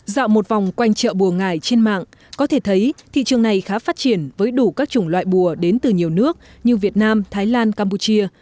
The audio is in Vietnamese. dạo một vòng quanh chợ bùa ngải trên mạng có thể thấy thị trường này khá phát triển với đủ các chủng loại bùa đến từ nhiều nước như việt nam thái lan campuchia